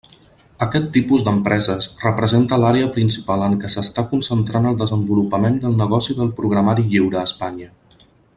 Aquest tipus d'empreses representa l'àrea principal en què s'està concentrant el desenvolupament del negoci del programari lliure a Espanya.